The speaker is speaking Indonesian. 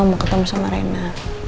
mau ketemu sama rena